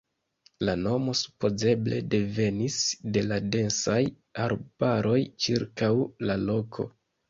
La nomo supozeble devenis de la densaj arbaroj ĉirkaŭ la loko.